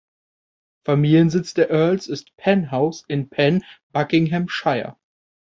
Familiensitz der Earls ist "Penn House" in Penn, Buckinghamshire.